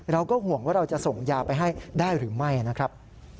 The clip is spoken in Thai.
เราก็ห่วงว่าเราจะส่งยาไปให้ได้หรือไม่นะครับ